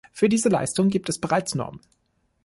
Für diese Leistungen gibt es bereits Normen.